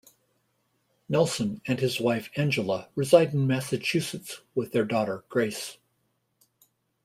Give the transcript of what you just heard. Nelson and his wife Angela reside in Massachusetts with their daughter, Grace.